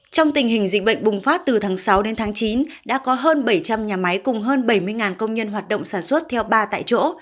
trong tình hình dịch bệnh bùng phát từ tháng sáu đến tháng chín đã có hơn bảy trăm linh nhà máy cùng hơn bảy mươi công nhân hoạt động sản xuất theo ba tại chỗ